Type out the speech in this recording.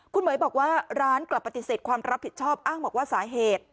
คุณเหม๋ยบอกว่าร้านกลับปฏิเสธความรับผิดชอบอ้างบอกว่าสาเหตุ